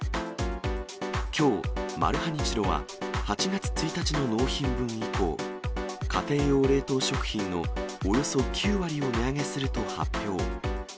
きょう、マルハニチロは８月１日の納品分以降、家庭用冷凍食品のおよそ９割を値上げすると発表。